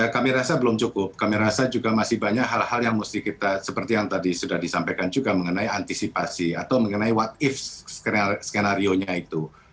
kami rasa belum cukup kami rasa juga masih banyak hal hal yang mesti kita seperti yang tadi sudah disampaikan juga mengenai antisipasi atau mengenai what ips skenario nya itu